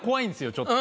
ちょっと。